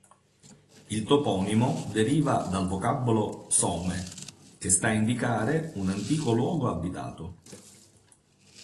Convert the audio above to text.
Il toponimo deriva dal vocabolo "Some", che sta ad indicare un antico luogo abitato.